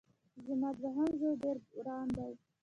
زما دوهم زوی ډېر وران دی